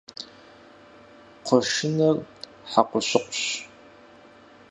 Кхъуэщыныр хьэкъущыкъущ.